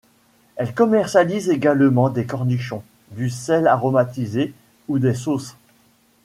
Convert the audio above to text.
Elle commercialise également des cornichons, du sel aromatisé ou des sauces.